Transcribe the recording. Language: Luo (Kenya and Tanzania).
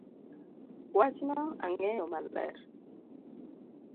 Wachno ang'eyo maler